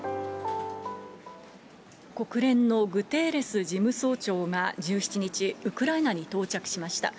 国連のグテーレス事務総長が１７日、ウクライナに到着しました。